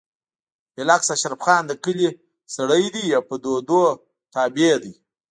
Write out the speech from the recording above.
بالعكس اشرف خان د کلي سړی دی او په دودونو تابع دی